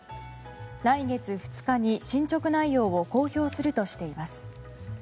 来月２日に進捗内容を公表するとしています。